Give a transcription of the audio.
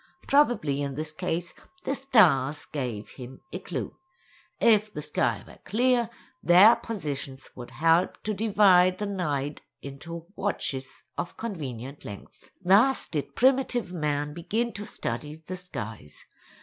Probably in this case the stars gave him a clue. If the sky were clear, their positions would help to divide the night into "watches" of convenient length. Thus did primitive man begin to study the skies.